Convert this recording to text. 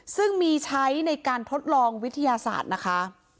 ซึ่งมีใช้ในการทดลองวิทยาศาสตร์นะคะ